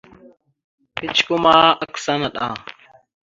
Kecikwe ma, akǝsa naɗ a.